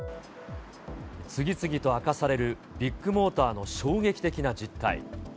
次々と明かされるビッグモーターの衝撃的な実態。